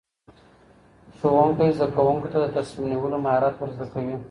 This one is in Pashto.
ښوونکی زدهکوونکو ته د تصمیم نیولو مهارت ورزده کوي.